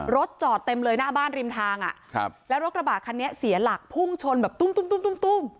รถจอดเต็มเลยหน้าบ้านริมทางอ่ะครับแล้วรถกระบะคันนี้เสียหลักพุ่งชนแบบตุ้มตุ้มตุ้ม